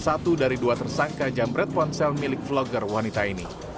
satu dari dua tersangka jambret ponsel milik vlogger wanita ini